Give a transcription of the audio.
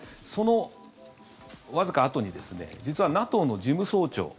そのわずかあとに実はＮＡＴＯの事務総長